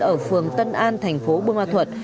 ở phường tân an thành phố bùa ma thuật